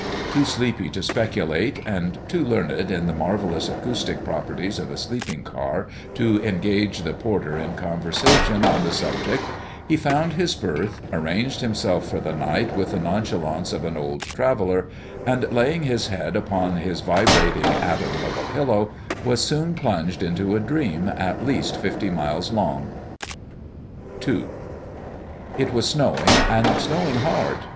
Too sleepy to speculate, and too learned in the marvelous acoustic properties of a sleeping car to engage the porter in conversation on the subject, he found his berth, arranged himself for the night with the nonchalance of an old traveler, and, laying his head upon his vibrating atom of a pillow, was soon plunged into a dream at least fifty miles long. II It was snowing, and snowing hard.